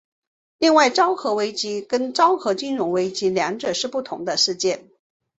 另外昭和危机跟昭和金融危机两者是不同的事件。